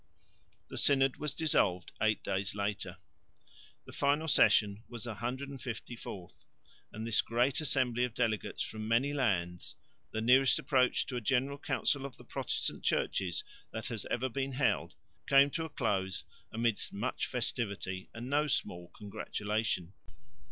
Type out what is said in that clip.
The Synod was dissolved eight days later. The final session was the 154th; and this great assembly of delegates from many lands, the nearest approach to a general council of the Protestant churches that has ever been held, came to a close amidst much festivity and no small congratulation.